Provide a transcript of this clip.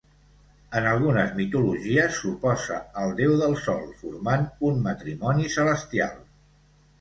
En algunes mitologies s'oposa al Déu del Sol, formant un matrimoni celestial.